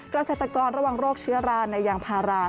กระสัตว์ตะกรรมระวังโรคเชื้อราในยางพารา